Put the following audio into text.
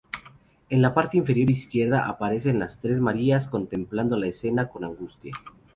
En la parte inferior izquierda aparecen las tres Marías contemplando la escena con angustia.